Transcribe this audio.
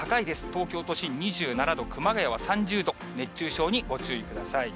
東京都心２７度、熊谷は３０度、熱中症にご注意ください。